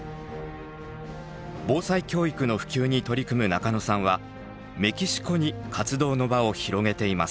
防災教育の普及に取り組む中野さんはメキシコに活動の場を広げています。